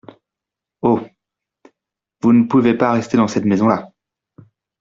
Oh ! vous ne pouvez pas rester dans cette maison-là.